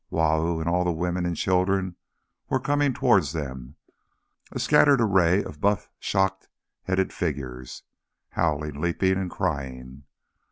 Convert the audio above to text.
Wau and all the women and children were coming towards them, a scattered array of buff shock headed figures, howling, leaping, and crying.